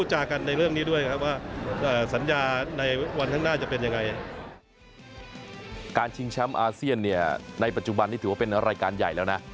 แชมป์อาเซียนในปัจจุบันนี่ถือว่าเป็นรายการใหญ่แล้วนะ